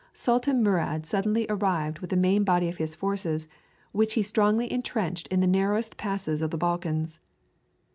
Sultan Murad suddenly arrived with the main body of his forces, which he strongly intrenched in the narrowest passes of the Balkans.